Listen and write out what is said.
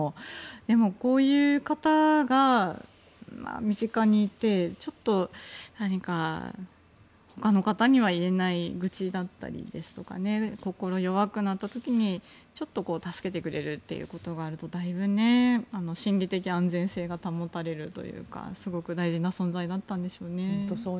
でも、こういう方が身近にいてちょっと何か他の方には言えない愚痴だったりですとか心弱くなった時に、ちょっと助けてくれるということがあるとだいぶ心理的安全性が保たれるというかすごく大事な存在だったんでしょうね。